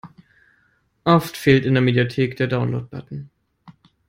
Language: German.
Oft fehlt in der Mediathek der Download-Button.